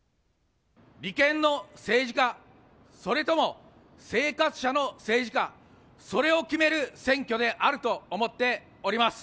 利権の政治か、それとも生活者の政治か、それを決める選挙であると思っております。